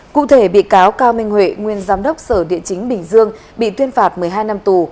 cụ thể bị cáo cao minh huệ nguyên giám đốc sở địa chính bình dương bị tuyên phạt một mươi hai năm tù